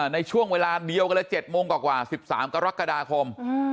ในช่วงเวลาเดียวกันเลย๗โมงกว่า๑๓กรกฎาคม